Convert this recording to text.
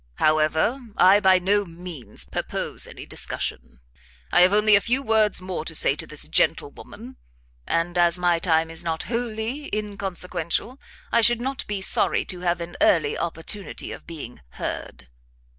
However, I by no means purpose any discussion. I have only a few words more to say to this gentlewoman, and as my time is not wholly inconsequential, I should not be sorry to have an early opportunity of being heard."